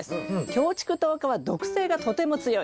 キョウチクトウ科は毒性がとても強いです。